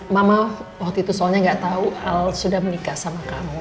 mama waktu itu soalnya gak tahu al sudah menikah sama kamu